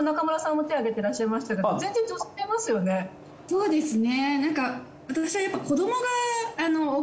はいそうですね。